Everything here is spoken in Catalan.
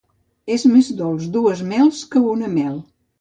És més dolç dues mels que una mel.